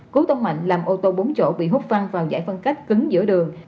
cú tông mạnh làm ô tô bốn chỗ bị hút văng vào giải phân cách cứng giữa đường